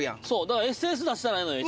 だからＳＳ出したらええのよ